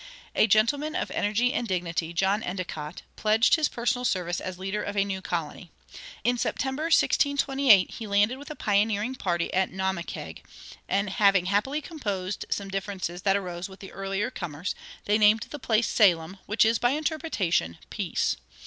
A gentleman of energy and dignity, John Endicott, pledged his personal service as leader of a new colony. In September, 1628, he landed with a pioneering party at Naumkeag, and having happily composed some differences that arose with the earlier comers, they named the place Salem, which is, by interpretation, "Peace."